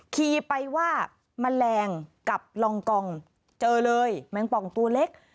ขี่ไปว่าแมลงกับลองกองเจอเลยแมงปองตัวเล็ก